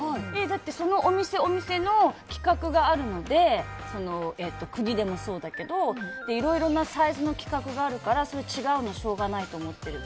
だって、そのお店、お店の規格があるので国でもそうだけどいろいろなサイズの規格があるからそれが違うのはしょうがないと思ってる。